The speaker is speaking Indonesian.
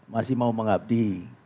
masih mau mengabdi